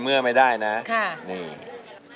เมื่อสักครู่นี้ถูกต้องทั้งหมด